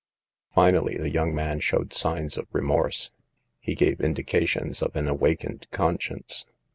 Finally, the young man showed signs of remorse. He gave indications of an awakened conscience.